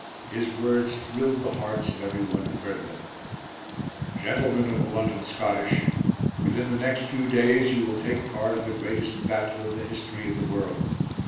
His words thrilled the hearts of every one who heard them: "Gentlemen of the London Scottish: Within the next few days you will take part in the greatest battle in the history of the world.